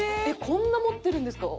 こんな持ってるんですか？